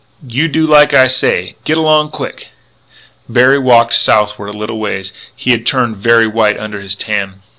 You do like I say; git along quick!" Berry walked southward a little way. He had turned very white under his tan.